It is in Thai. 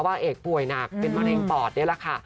ว่าเอกป่วยหนักเป็นมะเร็งปอดนี่แหละค่ะ